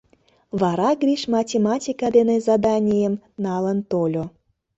Вара Гриш математика дене заданийым налын тольо.